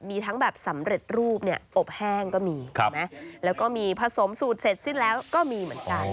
มีทั้งแบบสำเร็จรูปเนี่ยอบแห้งก็มีแล้วก็มีผสมสูตรเสร็จสิ้นแล้วก็มีเหมือนกัน